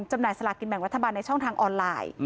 จำหน่ายสลากินแบ่งรัฐบาลในช่องทางออนไลน์